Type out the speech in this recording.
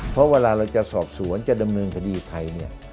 เพราะเวลาเราจะสอบสวนจะดำเนินคดีใครเนี่ย